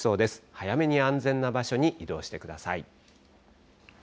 早めに安全な場所に移動してください。